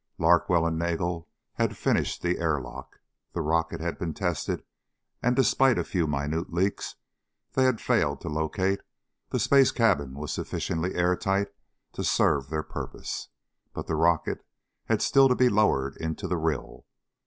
Larkwell and Nagel had finished the airlock. The rocket had been tested and, despite a few minute leaks they had failed to locate, the space cabin was sufficiently airtight to serve their purpose. But the rocket had still to be lowered into the rill.